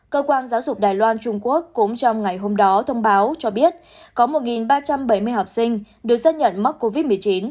cơ quan giáo dục đài loan trung quốc cũng trong ngày hôm đó thông báo cho biết có một ba trăm bảy mươi học sinh được xác nhận mắc covid một mươi chín